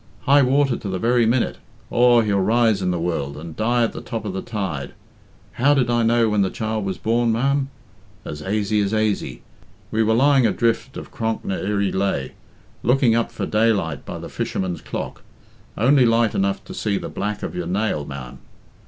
High water to the very minute aw, he'll rise in the world, and die at the top of the tide. How did I know when the child was born, ma'am? As aisy as aisy. We were lying adrift of Cronk ny Irrey Lhaa, looking up for daylight by the fisherman's clock. Only light enough to see the black of your nail, ma'am.